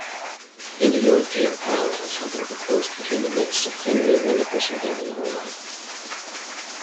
Indo-European parallels have been proposed between myths of Fenrir and the Persian demon Ahriman.